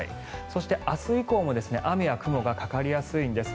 そして、明日以降も雨や雲がかかりやすいんです。